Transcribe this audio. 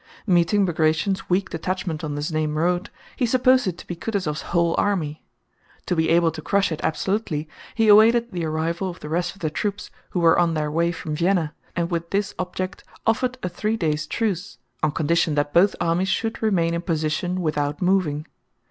Meeting Bagratión's weak detachment on the Znaim road he supposed it to be Kutúzov's whole army. To be able to crush it absolutely he awaited the arrival of the rest of the troops who were on their way from Vienna, and with this object offered a three days' truce on condition that both armies should remain in position without moving.